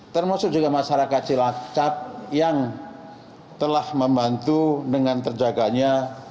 termasuk juga masyarakat cilacap yang telah membantu dengan terjaganya